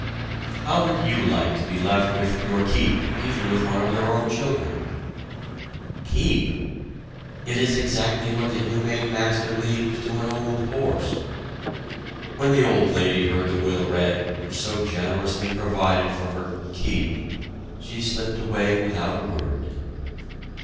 How would you like to be left with "your keep" even with one of your own children? Keep! It is exactly what the humane master leaves to an old horse. When the old lady heard the will read which so generously provided for her "keep," she slipped away without a word.